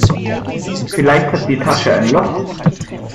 Vielleicht hat die Tasche ein Loch.